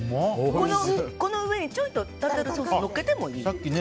この上にちょんとタルタルソースのっけてもいい。